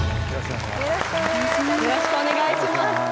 よろしくお願いします